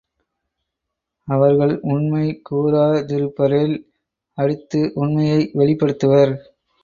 அவர்கள் உண்மை கூறாதிருப்பரேல் அடித்து உண்மையை வெளிப்படுத்துவர்.